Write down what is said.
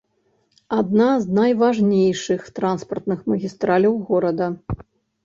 Адна з найважнейшых транспартных магістраляў горада.